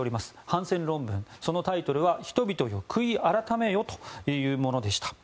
反戦論文、そのタイトルは人々よ悔い改めよというものでした。